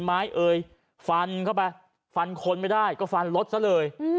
ไม้เอ่ยฟันเข้าไปฟันคนไม่ได้ก็ฟันรถซะเลย